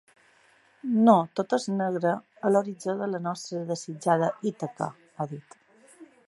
“No tot és negre a l’horitzó de la nostra desitjada Ítaca”, ha dit.